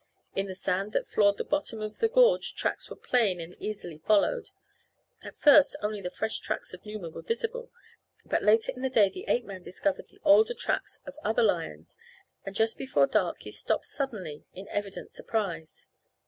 In the sand that floored the bottom of the gorge tracks were plain and easily followed. At first only the fresh tracks of Numa were visible, but later in the day the ape man discovered the older tracks of other lions and just before dark he stopped suddenly in evident surprise.